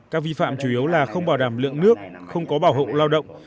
các vi phạm chủ yếu là không bảo đảm lượng nước không có bảo hộ lao động